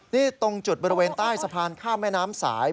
นี่ตรงจุดบริเวณใต้สะพานข้ามแม่น้ำสาย